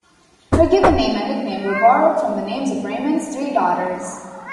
Her given name and nickname were borrowed from the names of Raymond's three daughters.